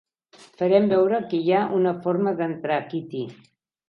Farem veure que hi ha una forma d"entrar, Kitty.